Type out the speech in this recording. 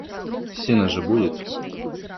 Сено же будет!